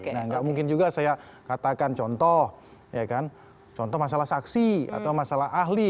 tidak mungkin juga saya katakan contoh contoh masalah saksi atau masalah ahli